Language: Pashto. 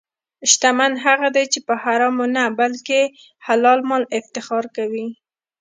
شتمن هغه دی چې په حرامو نه، بلکې حلال مال افتخار کوي.